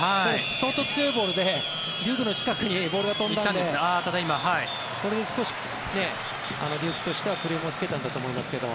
相当強いボールでデュークの近くにボールが飛んだのでこれに少しデュークとしてはクレームをつけたんだと思いますけど。